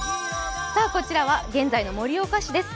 こちらは現在の盛岡市です。